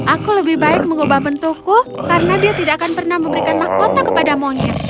aku lebih baik mengubah bentukku karena dia tidak akan pernah memberikan mahkota kepada monyet